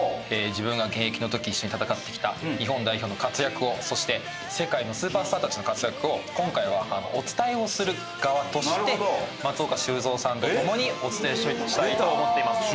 自分が現役の時一緒に戦ってきた日本代表の活躍をそして世界のスーパースターたちの活躍を今回はお伝えをする側として松岡修造さんと共にお伝えしたいと思っています。